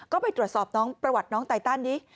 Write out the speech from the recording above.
ก็ไปตรวจสอบน้องน้องไต่ตั้นดี